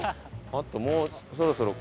あともうそろそろ。